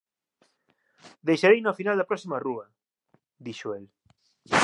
Deixareina ao final da próxima rúa —dixo el.